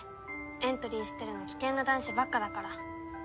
エントリーしてるの危険な男子ばっかだから。